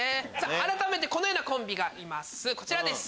改めてこのようなコンビがいますこちらです。